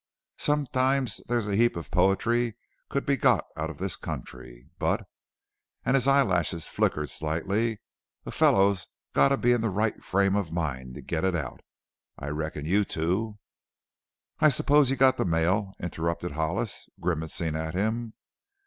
"Sometimes there's a heap of poetry could be got out of this county. But " and his eyelashes flickered slightly "a fellow's got to be in the right frame of mind to get it out. I reckon you two " "I suppose you got the mail?" interrupted Hollis, grimacing at him.